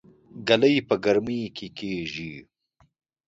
ګلۍ په ګرمۍ کې کيږي